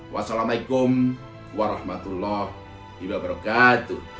wassalamu alaikum warahmatullahi wabarakatuh